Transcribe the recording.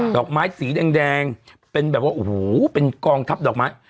ดอกไม้สีแดงเป็นแบบว่าโอ้โหเป็นกองทัพดอกไม้